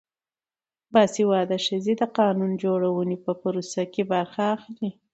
باسواده ښځې د قانون جوړونې په پروسه کې برخه اخلي.